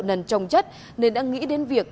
nần trồng chất nên đã nghĩ đến việc